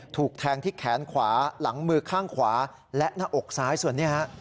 ถูกแทงที่แขนขวาหลังมือข้างขวาและหน้าอกซ้ายส่วนนี้ฮะ